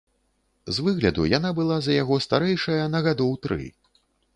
З выгляду яна была за яго старэйшая на гадоў тры.